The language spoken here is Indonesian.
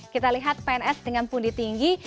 kita lihat pns dengan pundi tinggi